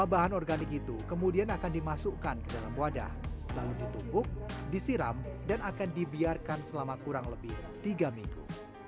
bahan organik itu kemudian akan dimasukkan ke dalam wadah lalu ditumpuk disiram dan akan dibiarkan selama kurang lebih tiga minggu